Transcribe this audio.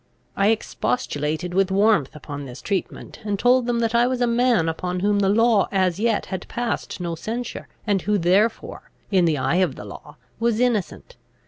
I expostulated with warmth upon this treatment, and told them, that I was a man upon whom the law as yet had passed no censure, and who therefore, in the eye of the law, was innocent.